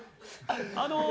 あの。